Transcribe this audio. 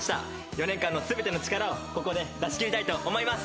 ４年間の全ての力をここで出しきりたいと思います。